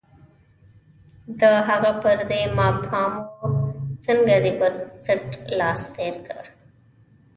د هغه پر دې ما پام و، څنګه دې پر څټ لاس تېر کړ؟